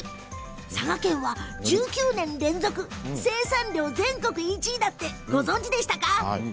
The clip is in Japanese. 佐賀県が１９年連続生産量全国１位だってご存じでしたか。